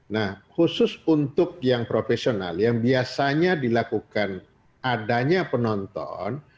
nah khusus untuk yang profesional yang biasanya dilakukan adanya penonton